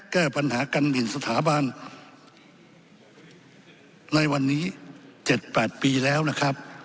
แก้ปัญหากันหมินสถาบันในวันนี้๗๘ปีแล้วนะครับ